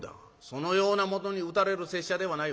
そのような者に討たれる拙者ではないわ。